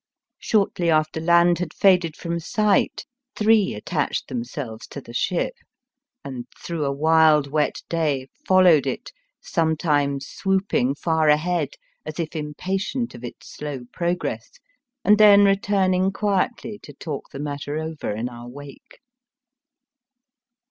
Shortly after land had faded from sight three attached themselves to the Digitized by VjOOQIC 164 EAST BY WEST. ship, and througli a wild, wet day followed it, sometimes swooping far ahead as if impatient of its slow progress, and then returning quietly to talk the matter over in our wake.